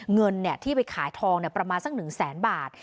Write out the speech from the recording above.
เงินที่ไปขายทองประมาณสัก๑แสนบาท